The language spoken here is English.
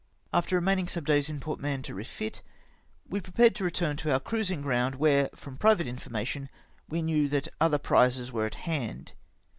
After remaining some days at Port Mahon to refit, we prepared to return to our cruising ground, where, from private information, we knew that other prizes were at hand.